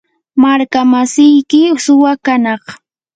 markamasiyki suwa kanaq.